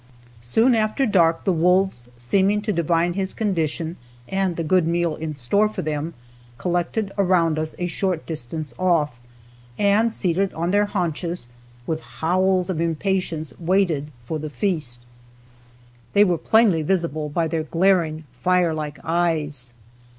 Soon after dark the wolves seeming to divine his condition and the good meal in store for them, collected around us a short distance off, and seated on their haunches, with howls of impatience waited for the feast. They were plainly visible by their glaring, fire like eyes.